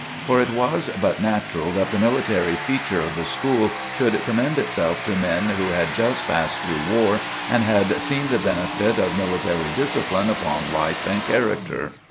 For it was but natural that the military feature of the school should commend itself to men who had just passed through war and had seen the benefit of military discipline upon life and character.